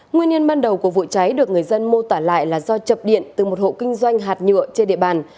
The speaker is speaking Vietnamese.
nguyên nhân ban đầu của vụ cháy được người dân mô tả lại là do chập điện từ một hộ kinh doanh hạt nhựa trên địa bàn